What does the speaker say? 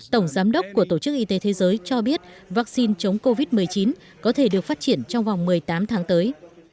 tổng giám đốc của tổ chức y tế thế giới cho biết vaccine chống covid một mươi chín có thể được phát triển trong vòng một mươi tám tháng tới